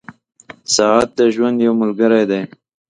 • ساعت د ژوند یو ملګری دی.